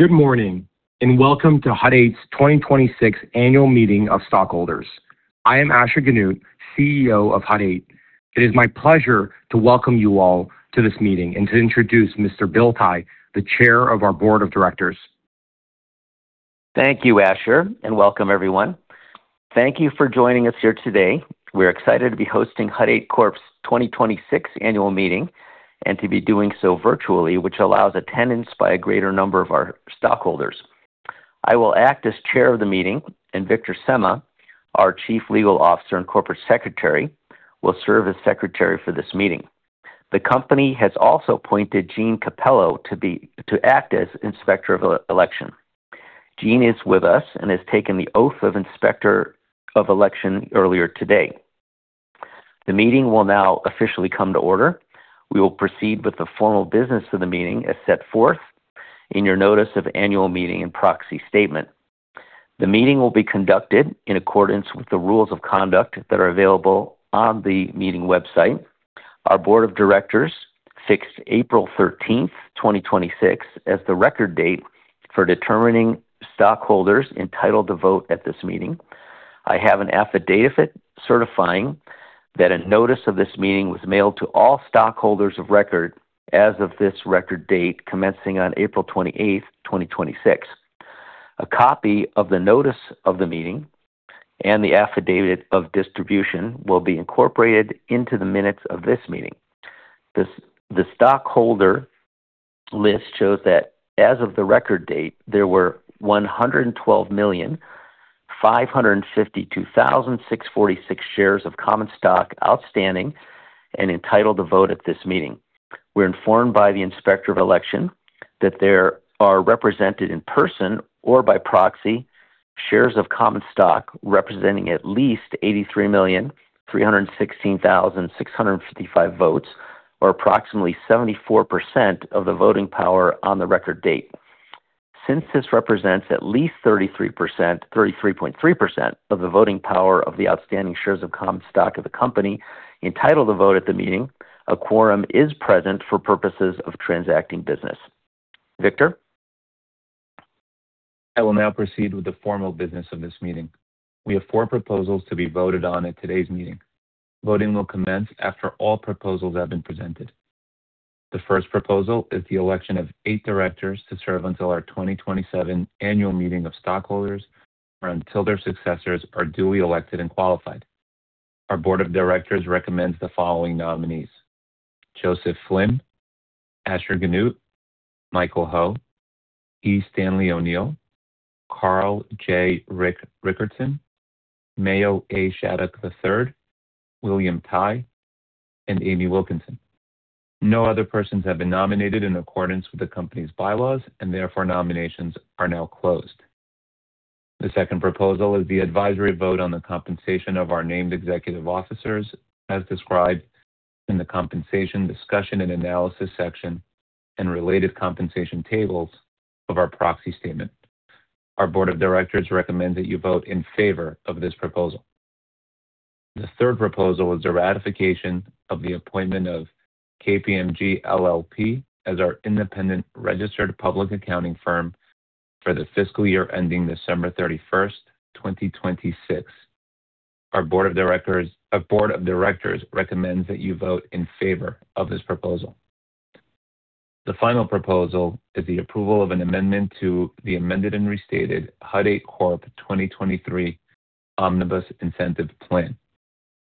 Good morning, welcome to Hut 8's 2026 Annual Meeting of Stockholders. I am Asher Genoot, CEO of Hut 8. It is my pleasure to welcome you all to this meeting and to introduce Mr. Bill Tai, the Chair of our Board of Directors. Thank you, Asher, welcome everyone. Thank you for joining us here today. We're excited to be hosting Hut 8 Corp's 2026 annual meeting and to be doing so virtually, which allows attendance by a greater number of our stockholders. I will act as Chair of the meeting, and Victor Semah, our Chief Legal Officer and Corporate Secretary, will serve as Secretary for this meeting. The company has also appointed Gene Capello to act as Inspector of Election. Gene is with us and has taken the oath of Inspector of Election earlier today. The meeting will now officially come to order. We will proceed with the formal business of the meeting as set forth in your notice of annual meeting and proxy statement. The meeting will be conducted in accordance with the rules of conduct that are available on the meeting website. Our board of directors fixed April 13th, 2026, as the record date for determining stockholders entitled to vote at this meeting. I have an affidavit certifying that a notice of this meeting was mailed to all stockholders of record as of this record date commencing on April 28th, 2026. A copy of the notice of the meeting and the affidavit of distribution will be incorporated into the minutes of this meeting. The stockholder list shows that as of the record date, there were 112,552,646 shares of common stock outstanding and entitled to vote at this meeting. We're informed by the Inspector of Election that there are represented in person or by proxy shares of common stock representing at least 83,316,655 votes, or approximately 74% of the voting power on the record date. Since this represents at least 33.3% of the voting power of the outstanding shares of common stock of the company entitled to vote at the meeting, a quorum is present for purposes of transacting business. Victor? I will now proceed with the formal business of this meeting. We have four proposals to be voted on at today's meeting. Voting will commence after all proposals have been presented. The first proposal is the election of eight directors to serve until our 2027 Annual Meeting of Stockholders, or until their successors are duly elected and qualified. Our board of directors recommends the following nominees: Joseph Flinn, Asher Genoot, Michael Ho, E. Stanley O'Neal, Carl J. Rickertsen, Mayo A. Shattuck III, William Tai, and Amy Wilkinson. No other persons have been nominated in accordance with the company's bylaws, and therefore nominations are now closed. The second proposal is the advisory vote on the compensation of our named executive officers, as described in the Compensation Discussion and Analysis Section and Related Compensation Tables of our proxy statement. Our board of directors recommend that you vote in favor of this proposal. The third proposal is the ratification of the appointment of KPMG LLP as our independent registered public accounting firm for the fiscal year ending December 31st, 2026. Our board of directors recommends that you vote in favor of this proposal. The final proposal is the approval of an amendment to the Amended and Restated Hut 8 Corp. 2023 Omnibus Incentive Plan,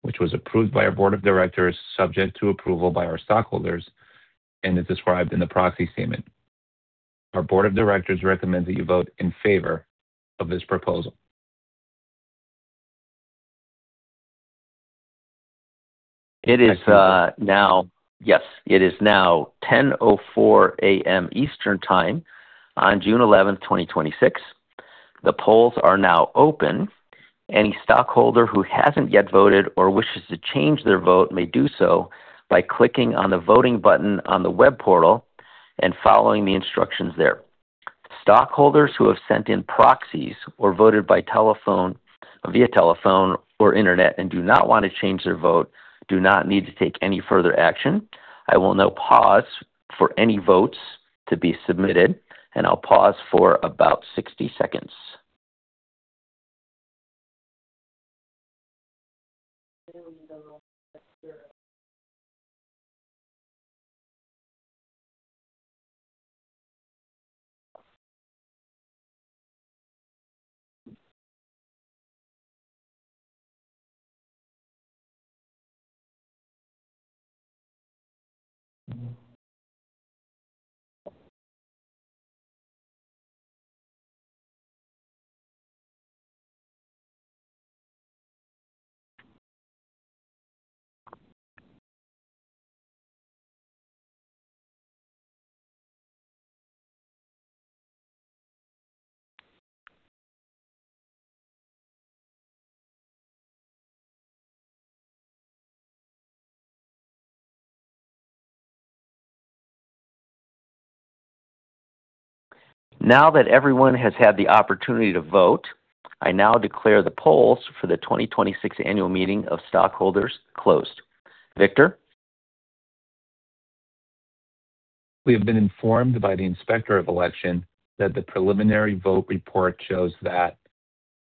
which was approved by our board of directors subject to approval by our stockholders and is described in the proxy statement. Our board of directors recommends that you vote in favor of this proposal. It is now 10:04 A.M. Eastern Time on June 11th, 2026. The polls are now open. Any stockholder who hasn't yet voted or wishes to change their vote may do so by clicking on the voting button on the web portal and following the instructions there. Stockholders who have sent in proxies or voted via telephone or internet and do not want to change their vote do not need to take any further action. I will now pause for any votes to be submitted, and I'll pause for about 60 seconds. Now that everyone has had the opportunity to vote, I now declare the polls for the 2026 Annual Meeting of Stockholders closed. Victor? We have been informed by the Inspector of Election that the preliminary vote report shows that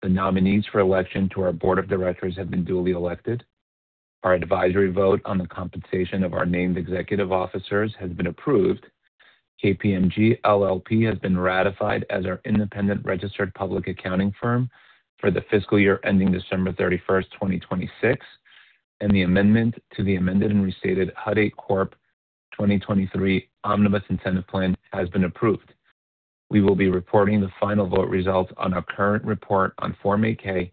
the nominees for election to our board of directors have been duly elected, our advisory vote on the compensation of our named executive officers has been approved, KPMG LLP has been ratified as our independent registered public accounting firm for the fiscal year ending December 31st, 2026, and the amendment to the Amended and Restated Hut 8 Corp. 2023 Omnibus Incentive Plan has been approved. We will be reporting the final vote results on our current report on Form 8-K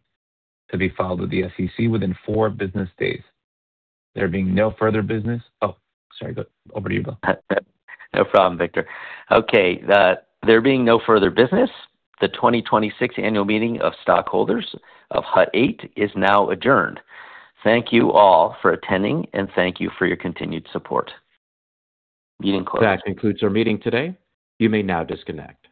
to be filed with the SEC within four business days. There being no further business. Oh, sorry. Over to you, Bill. No problem, Victor. Okay. There being no further business, the 2026 Annual Meeting of Stockholders of Hut 8 is now adjourned. Thank you all for attending, and thank you for your continued support. Meeting closed. That concludes our meeting today. You may now disconnect.